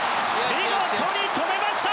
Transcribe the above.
見事に止めました！